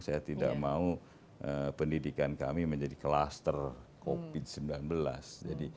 saya tidak mau pendidikan kami menjadi kluster covid sembilan belas